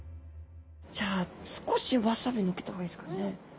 じゃあ少しワサビのっけた方がいいですかね。